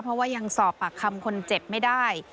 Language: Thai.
เพราะว่ายังสอบปากคำคนเจ็บไม่ได้